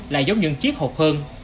lại giống những chiếc hộp hơn